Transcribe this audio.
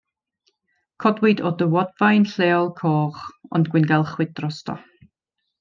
Codwyd o dywodfaen lleol, coch ond gwyngalchwyd drosto.